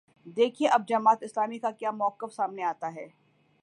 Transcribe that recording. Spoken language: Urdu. دیکھیے اب جماعت اسلامی کا کیا موقف سامنے آتا ہے۔